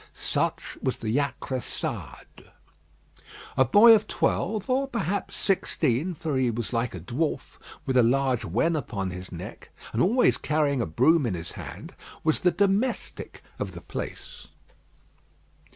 Such was the Jacressade. A boy of twelve, or, perhaps, sixteen for he was like a dwarf, with a large wen upon his neck, and always carrying a broom in his hand was the domestic of the place.